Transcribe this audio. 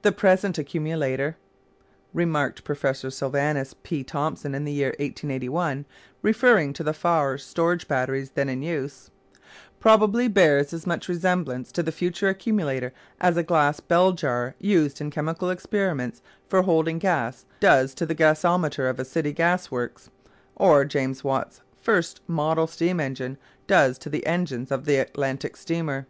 "The present accumulator," remarked Prof. Sylvanus P. Thompson in the year 1881, referring to the Faure storage batteries then in use, "probably bears as much resemblance to the future accumulator as a glass bell jar used in chemical experiments for holding gas does to the gasometer of a city gasworks, or James Watt's first model steam engine does to the engines of an Atlantic steamer."